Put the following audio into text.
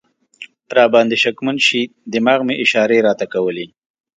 را باندې شکمن شي، دماغ مې اشارې راته کولې.